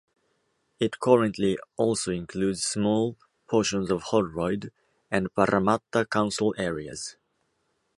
It currently also includes small portions of Holroyd and Parramatta Council areas.